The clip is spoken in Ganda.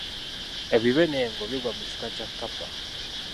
Ebibe n'engo bigwa mu kika kya kkapa.